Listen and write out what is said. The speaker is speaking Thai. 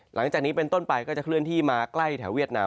หลังจากนี้เป็นต้นไปก็จะเคลื่อนที่มาใกล้แถวเวียดนาม